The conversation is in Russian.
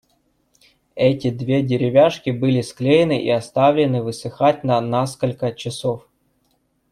Эти две деревяшки были склеены и оставлены высыхать на насколько часов.